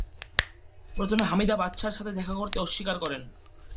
প্রথমে হামিদা বাদশাহর সাথে দেখা করতে অস্বীকার করেন।